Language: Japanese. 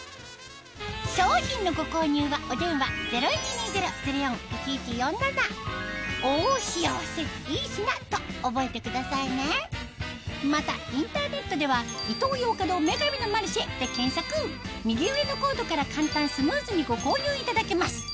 商品のご購入はお電話０１２０−０４−１１４７と覚えてくださいねまたインターネットでは右上のコードから簡単スムーズにご購入いただけます